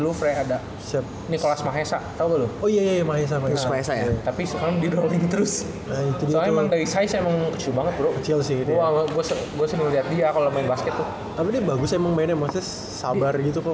lu fre ada set nicholas mahesa tahu belum oh iya mahesa mahesa tapi sekarang di rolling terus